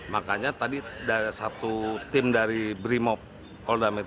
makanya tadi ada satu tim dari brimop cold amendment